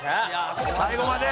最後まで！